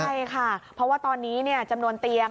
ใช่ค่ะเพราะว่าตอนนี้จำนวนเตียง